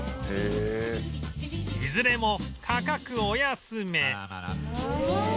いずれも価格お安め